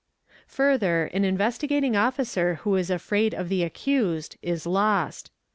Further an Investigating Officer who is afraid of the accused is lost.